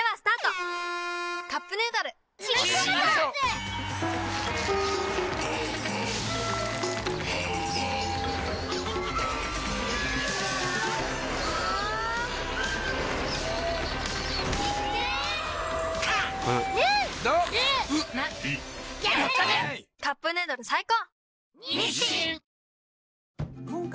「カップヌードル」最高！